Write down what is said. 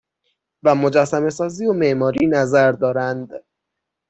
و مجسمهسازی و معماری نظر دارند